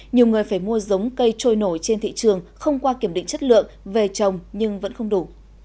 nhiều người phải mua giống cây trôi nổi trên thị trường không qua kiểm định chất lượng về trồng nhưng vẫn không đủ